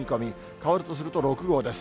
変わるとすると６号です。